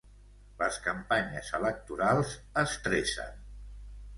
Les campanyes electorals estressen.